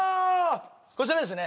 こちらですね